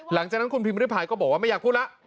หลังจากนั้นคุณพิมพิริพายก็บอกว่าไม่อยากพูดแล้ว